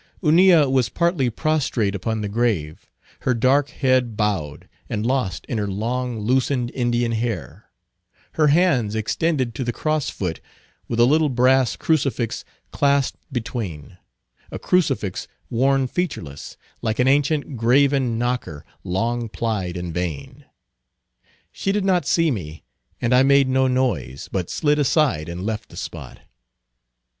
Hunilla was partly prostrate upon the grave; her dark head bowed, and lost in her long, loosened Indian hair; her hands extended to the cross foot, with a little brass crucifix clasped between; a crucifix worn featureless, like an ancient graven knocker long plied in vain. She did not see me, and I made no noise, but slid aside, and left the spot.